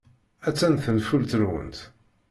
Attan tenfult-nwent.